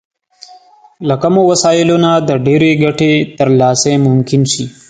له کمو وسايلو نه د ډېرې ګټې ترلاسی ممکن شي.